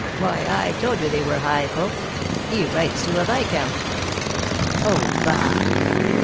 Why, I told you they were high folks; he writes to a viscount." "Oh, bah!"